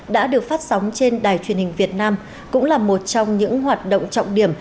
đã được phát sóng trên đài truyền hình việt nam cũng là một trong những hoạt động trọng điểm